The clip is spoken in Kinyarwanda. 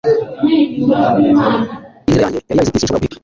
inzira yanjye yarayizitiye, sinshobora guhita